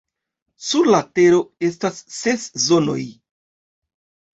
Sur la Tero estas ses Zonoj.